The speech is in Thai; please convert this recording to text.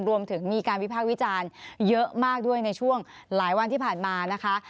รวมถึงมีการวิพากษ์วิจารณ์เยอะมากด้วยในช่วงหลายวันที่ผ่านมานะคะ